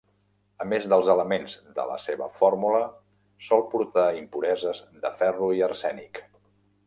A més dels elements de la seva fórmula, sol portar impureses de ferro i arsènic.